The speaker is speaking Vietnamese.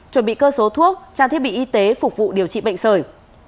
chuẩn bị cơ số thuốc trang thiết bị y tế phục vụ điều trị bệnh sởi